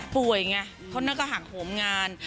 ป่วยไงเขาน่าก็หังโผมงาน